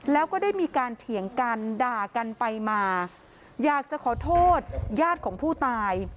แล้วก็ได้มีการเถียงกันด่ากันไปมาอยากจะขอโทษญาติของผู้ตาย